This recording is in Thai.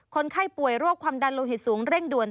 คนไข้ป่วยโรคความดันโลหิตสูงเร่งด่วน